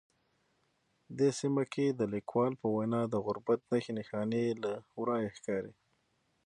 دې سیمه کې د لیکوال په وینا د غربت نښې نښانې له ورایه ښکاري